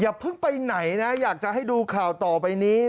เพิ่งไปไหนนะอยากจะให้ดูข่าวต่อไปนี้